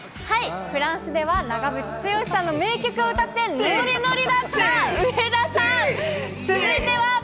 フランスでは長渕剛さんの名曲を歌って、ノリノリだった上田さん。